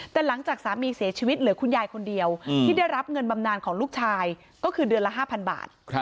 แต่หลังจากสามีเสียชีวิตเหลือคุณยายคนเดียวที่ได้รับเงินบำนานของลูกชายก็คือเดือนละ๕๐๐บาท